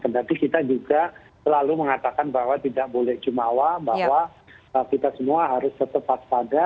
jadi kita juga selalu mengatakan bahwa tidak boleh jumawa bahwa kita semua harus tetap pas paga